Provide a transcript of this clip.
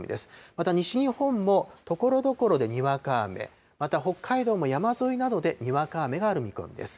また西日本も、ところどころでにわか雨、また北海道も山沿いなどでにわか雨がある見込みです。